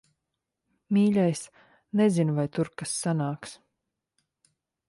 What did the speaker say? Mīļais, nezinu, vai tur kas sanāks.